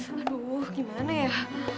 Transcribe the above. aduh gimana ya